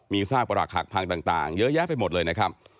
มีซากประหลักหักพังต่างเยอะแยะไปหมดเลยนะครับ